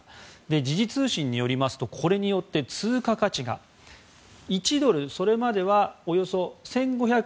時事通信によりますとこれによって通貨価値が１ドル、それまで１５００